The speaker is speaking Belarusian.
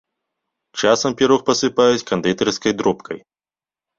Часам пірог пасыпаюць кандытарскай дробкай.